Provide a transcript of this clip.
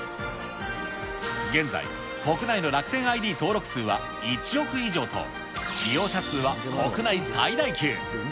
現在、国内の楽天ＩＤ登録数は１億以上と、利用者数は国内最大級。